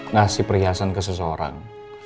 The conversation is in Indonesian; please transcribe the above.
ngasih perhiasan ke seseorang